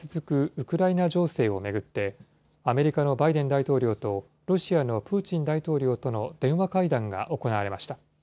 ウクライナ情勢を巡って、アメリカのバイデン大統領とロシアのプーチン大統領との電話会談が行われました。